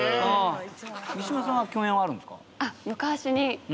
満島さんは共演はあるんすか？